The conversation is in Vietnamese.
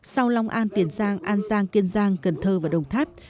sau long an tiền giang an giang kiên giang cần thơ và đồng tháp